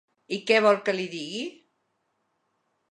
I què vol que li digui?